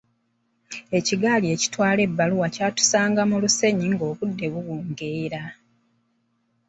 Ekigaali ekitwala ebbaluwa kyatusanga mu lusenyi ng'obudde buwungeera.